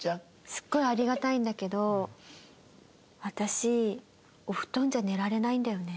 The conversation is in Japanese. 「すごいありがたいんだけど私お布団じゃ寝られないんだよね」。